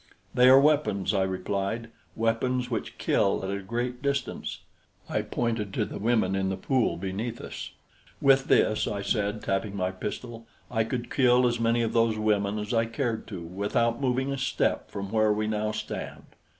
"They are weapons," I replied, "weapons which kill at a great distance." I pointed to the women in the pool beneath us. "With this," I said, tapping my pistol, "I could kill as many of those women as I cared to, without moving a step from where we now stand."